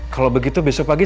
masuk happens morer ke diri